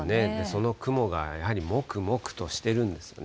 その雲がやはりもくもくとしてるんですよね。